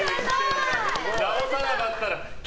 直さなかったら。